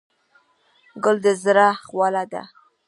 ګل د زړه خواله ده.